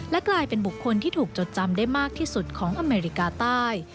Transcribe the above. และกลายเป็นบุคคลที่ถูกจดจำได้มากที่สุดของอเมริกาใต้